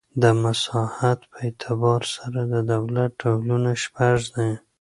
د مساحت په اعتبار سره د دولت ډولونه شپږ دي.